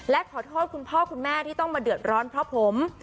และขอโทษคุณพ่อคุณแม่ที่ต้องมาเดือดร้อนเพราะผม